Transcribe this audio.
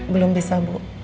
belum bisa bu